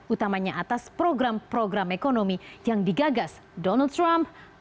utamanya atas program program ekonomi yang digagas donald trump